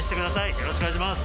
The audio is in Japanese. よろしくお願いします。